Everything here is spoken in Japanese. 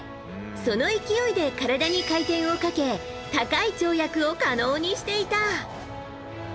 その勢いで体に回転をかけ高い跳躍を可能にしていた。